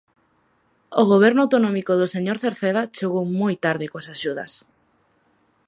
O Goberno autonómico do señor Cerceda chegou moi tarde coas axudas.